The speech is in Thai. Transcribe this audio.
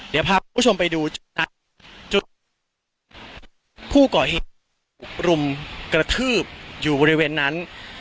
เดี๋ยวพาคุณผู้ชมไปดูจุดผู้ก่อเหตุรุมกระทืบอยู่บริเวณนั้น